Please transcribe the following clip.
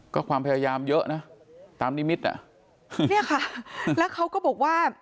ก็ความพยายามเยอะนะตามนิมิตอ่ะเนี่ยค่ะแล้วเขาก็บอกว่า